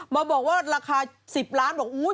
มาบอกว่าราคา๑๐ล้านบาท